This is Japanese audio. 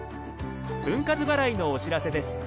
分割払いのお知らせです。